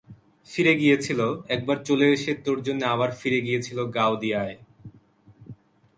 ফিরে গিয়েছিল, একবার চলে এসে তোর জন্যে আবার ফিরে গিয়েছিল গাওদিয়ায়!